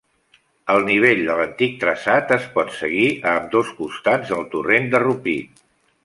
El nivell de l'antic traçat es pot seguir a ambdós costats del torrent de Rupit.